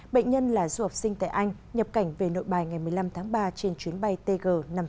bệnh nhân là du học sinh tại anh nhập cảnh về nội bài ngày một mươi năm tháng ba trên chuyến bay tg năm trăm sáu mươi